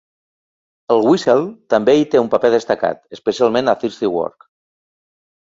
El "whistle" també hi té un paper destacat, especialment a Thirsty Work.